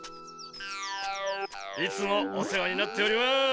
いつもお世話になっております。